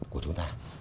của chúng ta